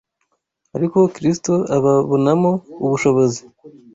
ariko Kristo ababonamo ubushobozi